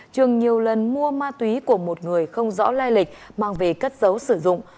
trường nhiều lần mua ma túy của một người không rõ lai lịch mang về cất dấu sử dụng